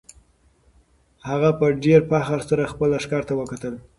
هغه په ډېر فخر سره خپل لښکر ته وکتل.